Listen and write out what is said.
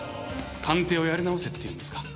鑑定をやり直せっていうんですか？